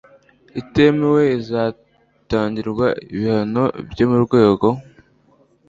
itemewe izatangirwa ibihano byo mu rwego